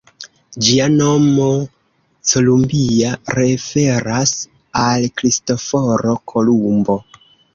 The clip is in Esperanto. Ĝia nomo, ""Columbia"", referas al Kristoforo Kolumbo.